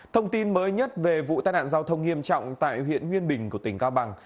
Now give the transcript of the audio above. thông tin mới nhất về vụ tai nạn giao thông nghiêm trọng tại huyện nguyên bình của tỉnh cao bằng